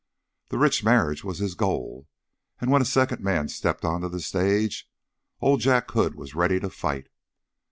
The rich marriage was his goal; and when a second man stepped onto the stage, old Jack Hood was ready to fight.